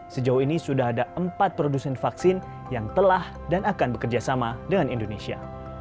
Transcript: sejauh ini sudah ada empat produsen vaksin yang telah dan akan bekerjasama dengan indonesia